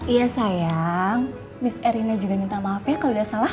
iya sayang mis erina juga minta maaf ya kalau tidak salah